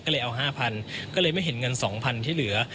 ก็เลยเอา๕๐๐ก็เลยไม่เห็นเงิน๒๐๐๐ที่เหลือ